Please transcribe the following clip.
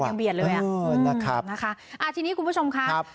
มันยังเบียดเลยอ่ะอืมนะครับอ่าทีนี้คุณผู้ชมค่ะครับ